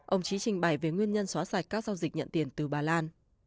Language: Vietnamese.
ông trí trình bày về nguyên nhân xóa sạch các giao dịch nhận tiền từ bà lan